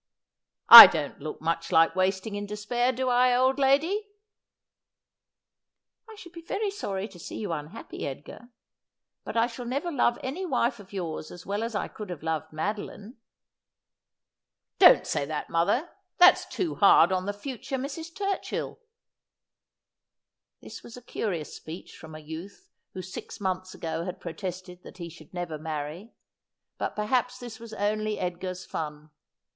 I don 't look much like wasting in despair, do I, old lady ?'' I should be very sorry to see you unhappy, Edgar ; but I shall never love any wife of yours as well as I could have loved Madoline.' ' And to the Dinner faste They hem Spedde.' 141 ' Don't say that, mother. That's too hard on the future Mrs. TurchilL' This was a curious speech from a youth who six months ago had protested that he should never marry. But perhaps this was only Edgar's fun.